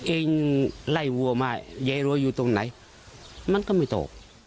เองไล่วัวมายายรัวอยู่ตรงไหนมันก็ไม่ตอบ